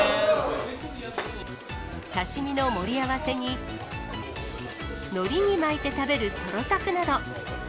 刺身の盛り合わせに、のりに巻いて食べるトロタクなど。